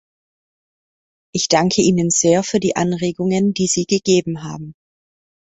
Ich danke Ihnen sehr für die Anregungen, die Sie gegeben haben.